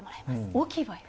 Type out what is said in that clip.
大きい場合は？